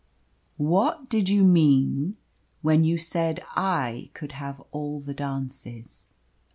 "What did you mean when you said I could have all the dances?"